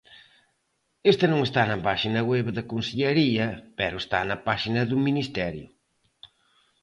Esta non está na páxina web da Consellería pero está na páxina do Ministerio.